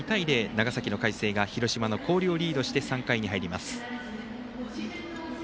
長崎の海星が広島の広陵をリードして３回に入ります。